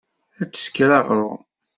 Ad tesker aɣṛum.